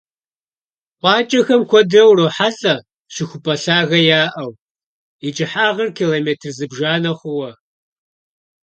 КъуакӀэхэм куэдрэ урохьэлӀэ щыхупӀэ лъагэ яӀэу, и кӀыхьагъыр километр зыбжанэ хъууэ.